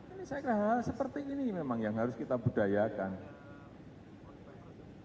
ini saya kira hal seperti ini memang yang harus kita budayakan